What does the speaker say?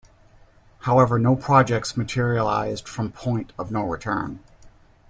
However, no projects materialized from Point of No Return.